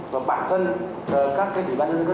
và bản thân các cái ủy ban nhân dân các tỉnh là những cơ quan